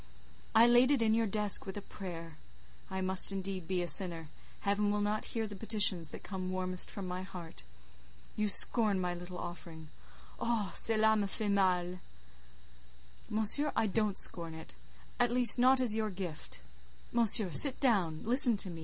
I laid it in your desk with a prayer: I must indeed be a sinner: Heaven will not hear the petitions that come warmest from my heart. You scorn my little offering. Oh, cela me fait mal!" "Monsieur, I don't scorn it—at least, not as your gift. Monsieur, sit down; listen to me.